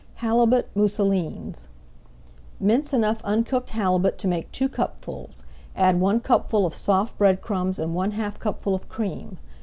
HALIBUT MOUSSELINES Mince enough uncooked halibut to make two cupfuls, add one cupful of soft bread crumbs and one half cupful of cream.